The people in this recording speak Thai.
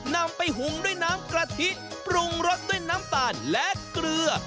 นำไปหุงด้วยน้ำกะทิปรุงรสด้วยน้ำตาลและเกลือ